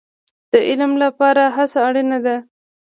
د علم لپاره هڅه اړین ده